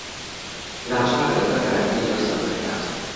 ناچارە لەبەر کارەکەی زۆر سەفەر بکات.